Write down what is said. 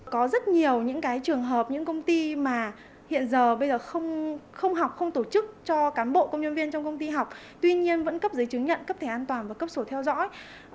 có rất nhiều những cái trường hợp những công ty mà hiện giờ bây giờ không học không tổ chức cho cán bộ công nhân viên trong công ty học tuy nhiên vẫn cấp giấy chứng nhận cấp thẻ an toàn và cấp sổ theo dõi